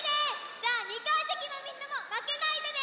じゃあ２かいせきのみんなもまけないでね！